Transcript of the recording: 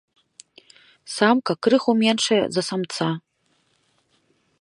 Самка крыху меншая за самца.